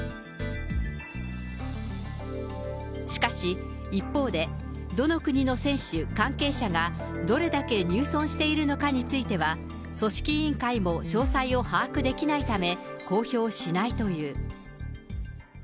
しかし、一方でどの国の選手、関係者がどれだけ入村しているのかについては、組織委員会も詳細を把握できないため、公表しないという。